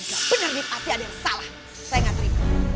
ini gak bener nih pasti ada yang salah saya gak terima